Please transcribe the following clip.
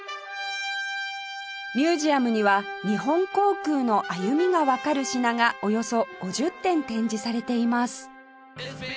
ミュージアムには日本航空の歩みがわかる品がおよそ５０点展示されています